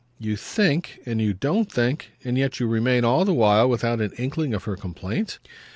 "You 'think' and you 'don't think,' and yet you remain all the while without an inkling of her complaint?"